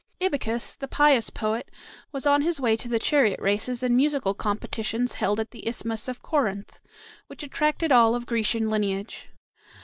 Ibycus, the pious poet, was on his way to the chariot races and musical competitions held at the Isthmus of Corinth, which attracted all of Grecian lineage.